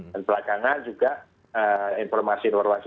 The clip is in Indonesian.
dan belakangan juga informasi luar wasi